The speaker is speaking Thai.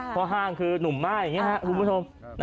ห้างคือหนุ่มม่ายอย่างนี้ครับคุณผู้ชม